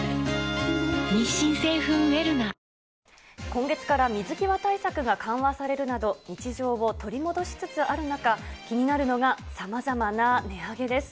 今月から水際対策が緩和されるなど、日常を取り戻しつつある中、気になるのがさまざまな値上げです。